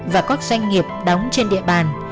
và các doanh nghiệp đóng trên địa bàn